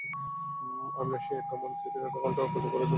আপনার শিক্ষামন্ত্রীকে আধা ঘন্টা অপেক্ষা করার জন্য বলতে পারবেন?